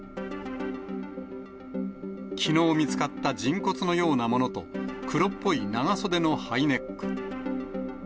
きのう見つかった人骨のようなものと、黒っぽい長袖のハイネック。